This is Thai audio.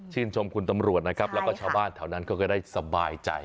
ชมคุณตำรวจนะครับแล้วก็ชาวบ้านแถวนั้นเขาก็ได้สบายใจ